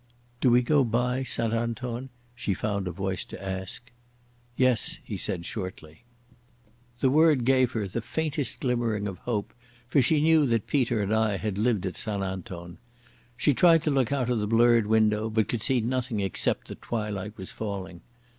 "Do we go by St Anton?" she found voice to ask. "Yes," he said shortly. The word gave her the faintest glimmering of hope, for she knew that Peter and I had lived at St Anton. She tried to look out of the blurred window, but could see nothing except that the twilight was falling.